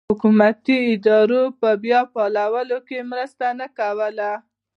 حکومتي ادارو په بیا فعالولو کې مرسته نه کوله.